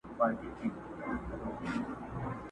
بل دي هم داسي قام لیدلی چي سبا نه لري؟!!